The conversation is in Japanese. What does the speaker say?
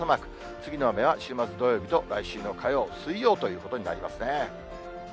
次の雨は週末土曜日と、来週の火曜、水曜ということになりますね。